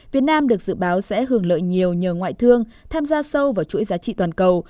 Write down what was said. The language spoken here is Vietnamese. việt nam được dự báo sẽ hưởng lợi nhiều nhờ ngoại thương tham gia sâu vào chuỗi giá trị toàn cầu